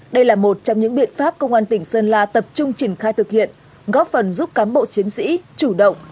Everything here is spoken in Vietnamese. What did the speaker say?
đây là một trong những biện pháp công an tỉnh sơn la tập trung triển khai thực hiện góp phần giúp cán bộ chiến sĩ chủ động